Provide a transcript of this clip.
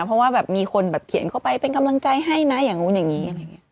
เพราะว่ามีคนแบบเขียนเข้าไปเป็นกำลังใจให้นะอย่างนู้นอย่างนี้